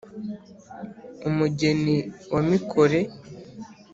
umugeni wa mikore